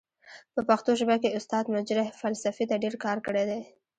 په پښتو ژبه کې استاد مجرح فلسفې ته ډير کار کړی دی.